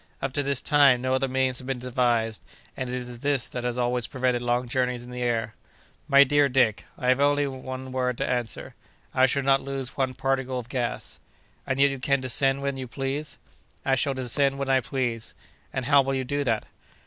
Up to this time no other means have been devised, and it is this that has always prevented long journeys in the air." "My dear Dick, I have only one word to answer—I shall not lose one particle of gas." "And yet you can descend when you please?" "I shall descend when I please." "And how will you do that?"